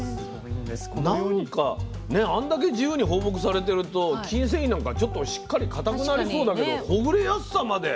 なんかあんだけ自由に放牧されてると筋線維なんかちょっとしっかりかたくなりそうだけどほぐれやすさまで。